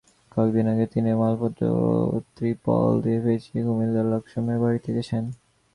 কয়েক দিন আগে তিনিও মালপত্র ত্রিপল দিয়ে পেঁচিয়ে কুমিল্লার লাকসামের বাড়িতে গেছেন।